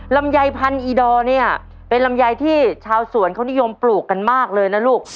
ลำไยพันอีดอร์เนี่ยเป็นลำไยที่ชาวสวนเขานิยมปลูกกันมากเลยนะลูก